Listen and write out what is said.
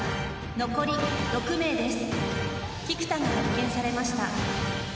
残り６名です。